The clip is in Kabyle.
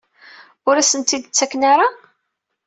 Ur asen-t-id-ttaken ara?